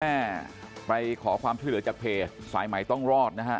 แม่ไปขอความช่วยเหลือจากเพจสายใหม่ต้องรอดนะฮะ